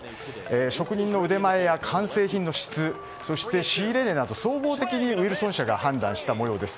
職人の腕前や完成品の質そして仕入れ値など総合的にウィルソン社が判断した模様です。